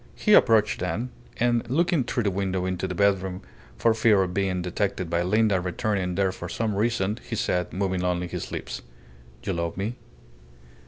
He approached then, and, looking through the window into the bedroom for fear of being detected by Linda returning there for some reason, he said, moving only his lips "You love me?"